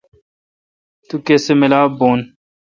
تو کسہ ملاپ بھو ۔